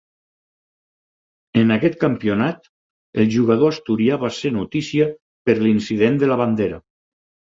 En aquest campionat el jugador asturià va ser notícia per l'incident de la bandera.